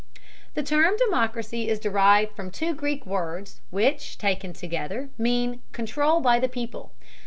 The term democracy is derived from two Greek words which taken together mean "control by the people."